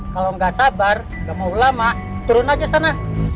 kalau nggak sabar nggak mau ulama turun aja sana